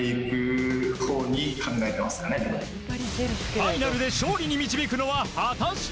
ファイナルで勝利に導くのは果たして？